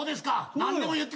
何でも言って。